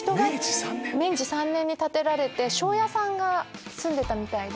明治３年に建てられて庄屋さんが住んでたみたいで。